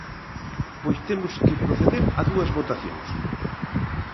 Pois temos que proceder a dúas votacións.